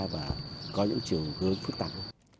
và có những chiều hướng phức tạp